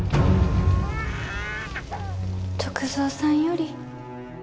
篤蔵さんより